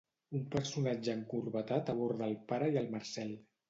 Un personatge encorbatat aborda el pare i el Marcel.